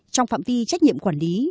trong phạm vi trách nhiệm quản lý